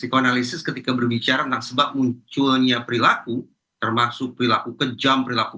kalau kita berbicara tentang sebab munculnya perilaku termasuk perilaku kejam perilaku